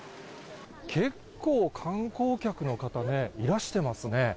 結構、観光客の方ね、いらしてますね。